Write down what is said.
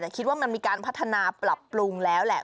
แต่คิดว่ามันมีการพัฒนาปรับปรุงแล้วแหละ